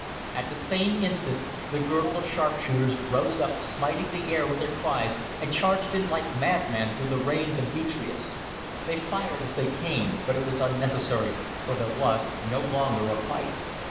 At the same instant the girdle of sharp shooters rose up smiting the air with their cries and charged in like madmen through the rain of detritus. They fired as they came, but it was unnecessary, for there was no longer a fight.